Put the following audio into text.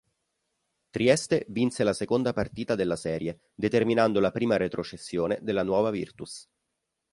Trieste vinse la seconda partita della serie, determinando la prima retrocessione della Nuova Virtus.